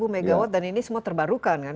dua puluh dua mw dan ini semua terbarukan kan